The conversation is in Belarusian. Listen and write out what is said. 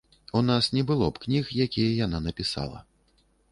У нас не было б кніг, якія яна напісала.